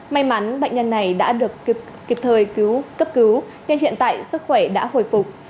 may mắn bệnh nhân này đã được kịp thời cứu cấp cứu nhưng hiện tại sức khỏe đã hồi phục